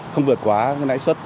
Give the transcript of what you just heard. không vượt quá nãi xuất